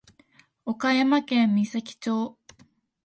岡山県美咲町